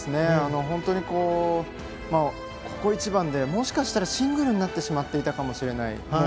本当に、ここ一番でもしかしたらシングルになってしまっていたかもしれない。